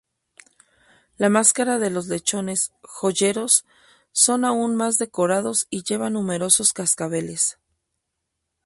La máscara de Los lechones "joyeros" son aún más decorados, y llevan numerosos cascabeles.